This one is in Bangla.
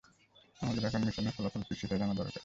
আমাদের এখন মিশনের ফলাফল কী সেটা জানা দরকার।